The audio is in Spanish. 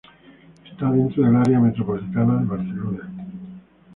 Está dentro del área metropolitana de Barcelona.